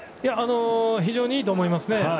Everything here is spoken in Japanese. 非常にいいと思います。